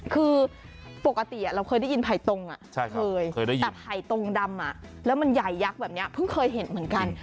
คือปกติเราเคยได้ยินไผ่ตรงเคยได้ยินแต่ไผ่ตรงดำแล้วมันใหญ่ยักษ์แบบนี้เพิ่งเคยเห็นเหมือนกัน